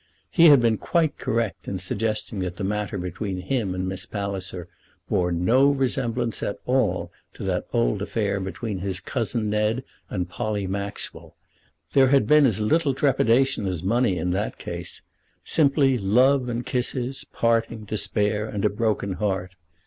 He had been quite correct in suggesting that the matter between him and Miss Palliser bore no resemblance at all to that old affair between his cousin Ned and Polly Maxwell. There had been as little trepidation as money in that case, simply love and kisses, parting, despair, and a broken heart.